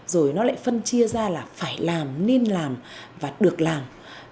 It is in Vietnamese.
rồi nó lại phân chia ra là phải làm nên làm và được làm